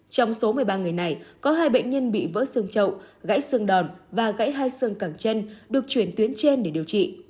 trong số một mươi ba người này có hai bệnh nhân bị vỡ xương trậu gãy xương đòn và gãy hai xương cản chân được chuyển tuyến trên để điều trị